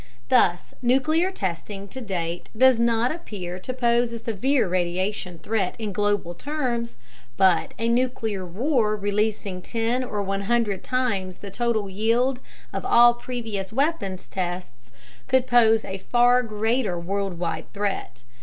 Thus nuclear testing to date does not appear to pose a severe radiation threat in global terms. But a nuclear war releasing 10 or 100 times the total yield of all previous weapons tests could pose a far greater worldwide threat.